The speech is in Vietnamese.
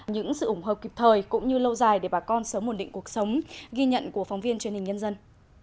những sự ủng hộ kịp thời cũng như lâu dài để bà con sớm ổn định cuộc sống ghi nhận của phóng viên truyền hình nhân dân